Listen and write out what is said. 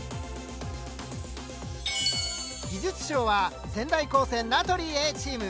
技術賞は仙台高専名取Ａチーム。